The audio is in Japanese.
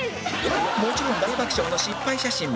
もちろん大爆笑の失敗写真も